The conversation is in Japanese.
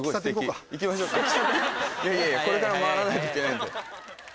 いやいやいやこれから回らないといけないんで。